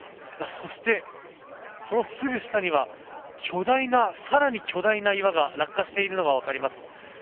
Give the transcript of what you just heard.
そして、そのすぐ下には更に巨大な岩が落下しているのが分かります。